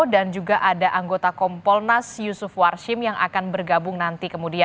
dan juga ada anggota kompornas yusuf warsim yang akan bergabung nanti